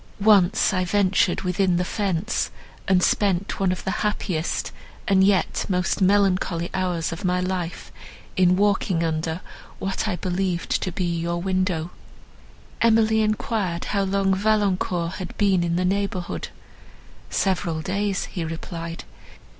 Once I ventured within the fence, and spent one of the happiest, and yet most melancholy hours of my life in walking under what I believed to be your window." Emily enquired how long Valancourt had been in the neighbourhood. "Several days," he replied.